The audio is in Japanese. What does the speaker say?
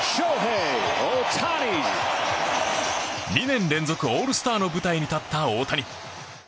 ２年連続オールスターの舞台に立った大谷。